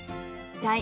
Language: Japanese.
はい。